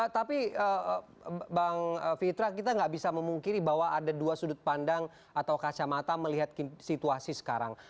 tapi bang fitra kita nggak bisa memungkiri bahwa ada dua sudut pandang atau kacamata melihat situasi sekarang